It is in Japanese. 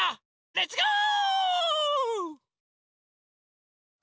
レッツゴー！